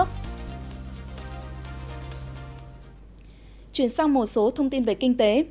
chuyển sang một số thông tin về kinh tế